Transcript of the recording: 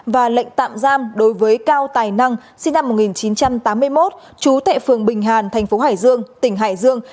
và lệnh tạm giam đối với cao tài năng sinh năm một nghìn chín trăm tám mươi một trú tại phường bình hàn thành phố hải dương tỉnh hải dương